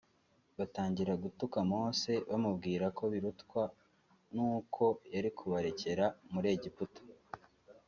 batangira gutuka Mose bamubwira ko birutwa nuko yari kubarekera muri Egiputa